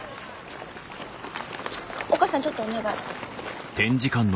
おっ母さんちょっとお願い。